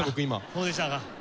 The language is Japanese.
そうでしたか。